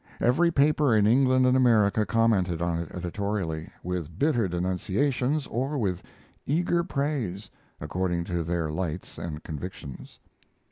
Every paper in England and America commented on it editorially, with bitter denunciations or with eager praise, according to their lights and convictions.